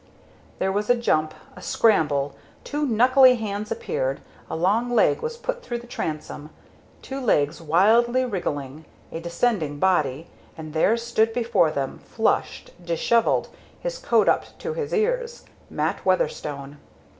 There was a jump, a scramble, two knuckly hands appeared, a long leg was put through the transom, two legs wildly wriggling, a descending body, and there stood before them, flushed, dishevelled, his coat up to his ears Mat Weatherstone.